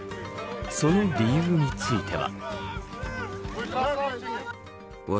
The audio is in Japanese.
その理由については。